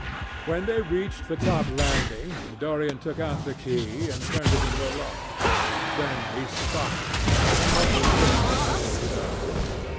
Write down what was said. When they reached the top landing, Dorian took out the key and turned it in the lock. Then he stopped, and a troubled look came into his eyes.